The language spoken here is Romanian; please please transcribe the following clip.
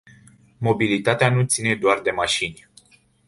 Mobilitatea nu ține doar de mașini.